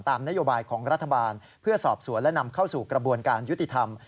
นโยบายของรัฐบาลเพื่อสอบสวนและนำเข้าสู่กระบวนการยุติธรรม